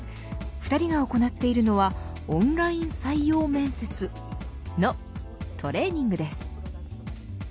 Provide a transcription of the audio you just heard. ２人が行っているのはオンライン採用面接のトレーニングです。